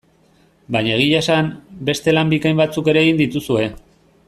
Baina egia esan, beste lan bikain batzuk ere egin dituzue.